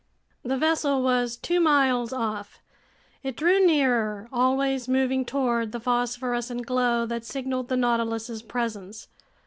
The vessel was two miles off. It drew nearer, always moving toward the phosphorescent glow that signaled the Nautilus's presence.